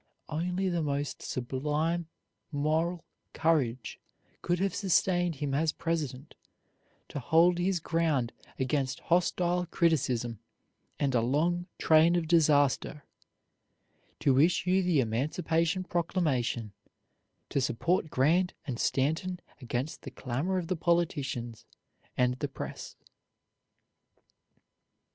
Only the most sublime moral courage could have sustained him as President to hold his ground against hostile criticism and a long train of disaster; to issue the Emancipation Proclamation, to support Grant and Stanton against the clamor of the politicians and the press.